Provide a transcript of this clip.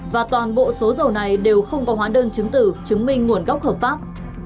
và toàn bộ số dầu này đều không có hóa đơn chứng tử chứng minh nguồn gốc hợp pháp